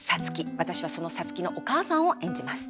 私はその皐月のお母さんを演じます。